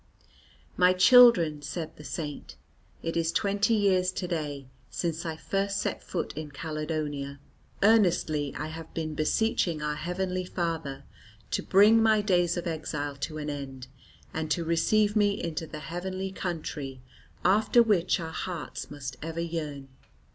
"My children," said the Saint, "it is twenty years to day since I first set foot in Caledonia. Earnestly I have been beseeching our Heavenly Father to bring my days of exile to an end, and to receive me into the heavenly country after which our hearts must ever yearn.